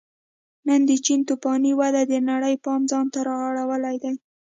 نن د چین توفاني وده د نړۍ پام ځان ته اړولی دی